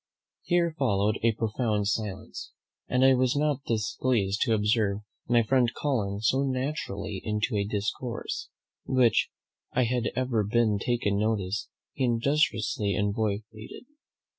Here followed a profound silence; and I was not displeased to observe my friend falling so naturally into a discourse, which I had ever before taken notice he industriously avoided.